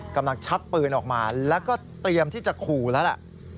กำลังชับปืนออกมาแล้วก็เตรียมที่จะขู่แล้วล่ะ